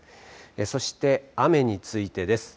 そして雨についてです。